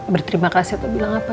berterima kasih atau bilang apa